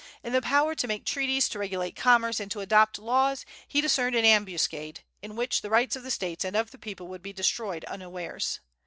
In the power to make treaties, to regulate commerce, and to adopt laws, he discerned an "ambuscade" in which the rights of the States and of the people would be destroyed unawares.